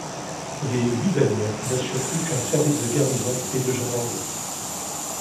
Les Huit Bannières n'assurent plus qu'un service de garnison et de gendarmerie.